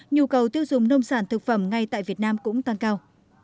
nhu cầu tiêu dùng nông sản thực phẩm ngay tại việt nam cũng tăng cao